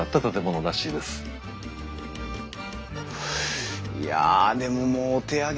いやでももうお手上げだな。